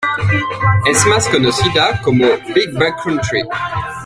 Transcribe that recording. Es más conocida como Big Buck Country.